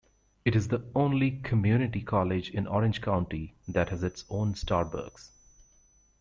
It is the only community college in Orange County that has its own Starbucks.